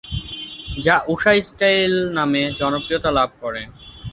যা ঊষা স্টাইল নামে জনপ্রিয়তা লাভ করে।